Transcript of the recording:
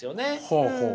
ほうほう。